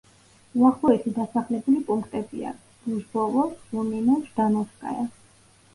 უახლოესი დასახლებული პუნქტებია: რუჟბოვო, სუმინო, ჟდანოვსკაია.